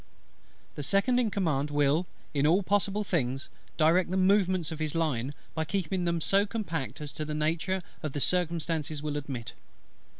The Second in Command will, in all possible things, direct the movements of his line, by keeping them so compact as the nature of the circumstances will admit.